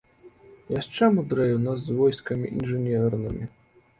Яшчэ мудрэй у нас з войскамі інжынернымі.